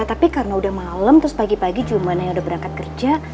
tapi karena udah malam terus pagi pagi jumlahnya udah berangkat kerja